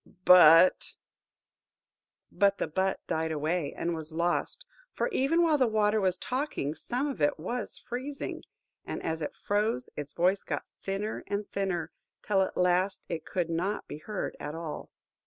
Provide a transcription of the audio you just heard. ..... But ...." But the but died away, and was lost; for, even while the Water was talking, some of it was freezing; and as it froze, its voice got thinner and thinner, till at last it could not be heard at all!